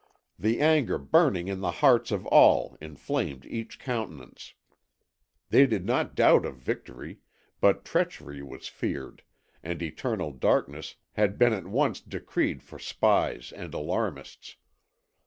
The anger burning in the hearts of all inflamed each countenance. They did not doubt of victory, but treachery was feared, and eternal darkness had been at once decreed for spies and alarmists.